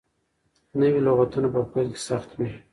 نوي لغتونه په پيل کې سخت وي.